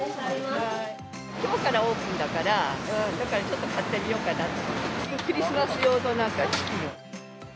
きょうからオープンだから、ちょっと買ってみようかなって。